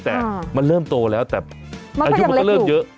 แต่มันเริ่มโตแล้วแต่อายุมันก็เริ่มเยอะ